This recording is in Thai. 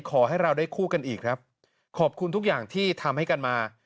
ขอให้เราได้คู่กันอีกครับขอบคุณทุกอย่างที่ทำให้กันมา